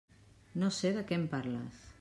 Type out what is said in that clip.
No sé de què em parles.